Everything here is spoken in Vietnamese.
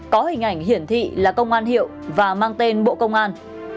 có hình ảnh hiển thị là công an hiệu và mang tên bộ công an